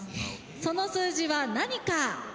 その数字は何か？